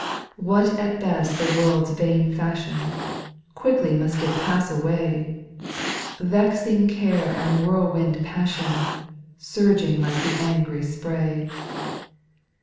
6. What at best the world's vain fashion ? Quickly it must past away ; Vexing care and whirlwind passion, Surging like the angry spray.